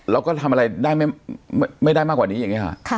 เราก็ทำอะไรได้ไม่ได้มากกว่านี้อย่างนี้ค่ะ